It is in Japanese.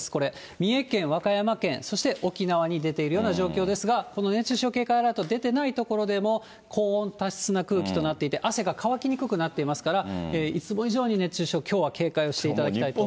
三重県、和歌山県、そして沖縄に出ているような状況ですが、この熱中症警戒アラートが出ていない所でも高温多湿な空気となっていて、汗が乾きにくくなっていますから、いつも以上に熱中症、きょうは警戒をしていただきたいと思います。